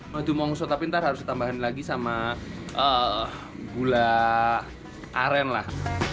madu mongso tapi ntar harus ditambahin lagi sama gula aren lah